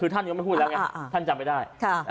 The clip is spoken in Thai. คือท่านยังไม่พูดแล้วไงท่านจำไม่ได้